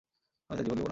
আমি তার জীবন নেব না।